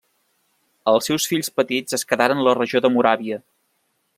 Els seus fills petits es quedaren la regió de Moràvia.